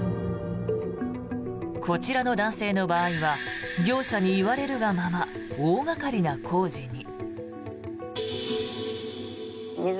こちらの男性の場合は業者に言われるがまま大掛かりな工事に。